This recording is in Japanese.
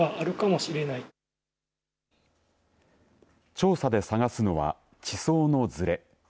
調査で探すのは地層のずれ。